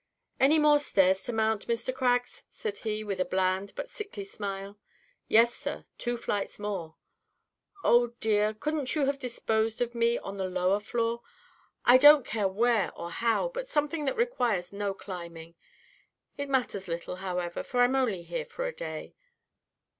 "Any more stairs to mount, Mr. Craggs?" said he, with a bland but sickly smile. "Yes, sir; two flights more." "Oh, dear! couldn't you have disposed of me on the lower floor? I don't care where or how, but something that requires no climbing. It matters little, however, for I'm only here for a day."